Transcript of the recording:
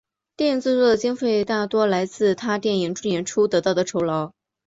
电影制作的经费大多来自他电影演出得到的酬劳。